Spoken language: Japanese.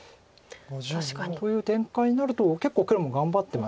確かに。という展開になると結構黒も頑張ってますか。